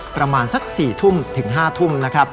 ประมาณสัก๔ทุ่มถึง๕ทุ่มนะครับ